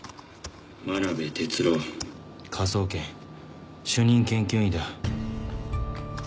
真鍋哲郎科捜研主任研究員だ。